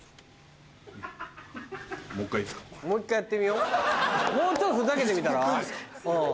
もう一回やってみようもうちょっとふざけてみたら？